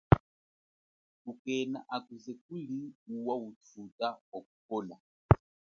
Kumena akuze kuliwuwa uthuta wa kupola.